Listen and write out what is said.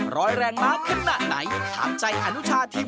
ร้อยแรงน้าขนาดไหนถามใจอนุชาทีม